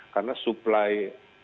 karena supply nya bisa diproduksi